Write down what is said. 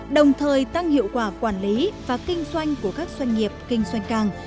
đồng thời tăng hiệu quả quản lý và kinh doanh của các doanh nghiệp kinh doanh càng